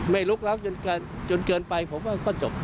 ไม่ลุกแล้วจนเกินไปผมว่าก็จบ